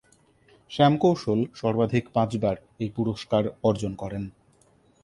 শ্যাম কৌশল সর্বাধিক পাঁচবার এই পুরস্কার অর্জন করেন।